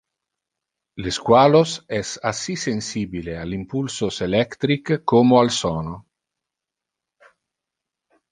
Le squalos es assi sensibile al impulsos electric como al sono.